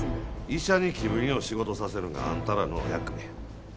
医者に気分よう仕事させるのがあんたらの役目や。